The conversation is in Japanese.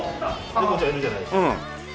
ネコちゃんいるじゃないですか。